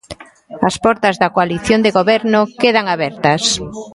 As portas da coalición de goberno quedan abertas.